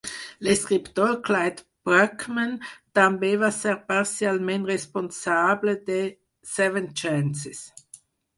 L'escriptor Clyde Bruckman també va ser parcialment responsable de "Seven Chances".